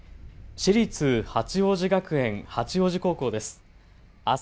私立八王子学園八王子高校です。